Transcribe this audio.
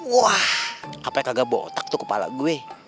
wah kagak botak tuh kepala gue